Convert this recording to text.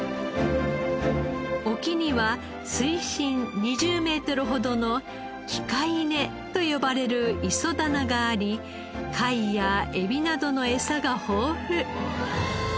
沖には水深２０メートルほどの器械根と呼ばれる磯棚があり貝やエビなどの餌が豊富。